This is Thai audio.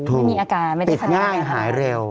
ไม่มีอาการไม่ได้ทำงานง่ายหายเร็ว